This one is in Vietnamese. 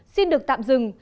xin được tạm dừng